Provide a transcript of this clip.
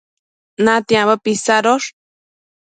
natiambo pisadosh